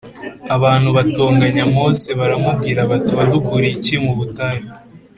Abantu batonganya Mose baramubwira bati wadukuriye iki mu butayu